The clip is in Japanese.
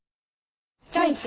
チョイス！